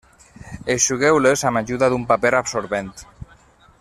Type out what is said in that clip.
Eixugueu-les amb l'ajuda d'un paper absorbent.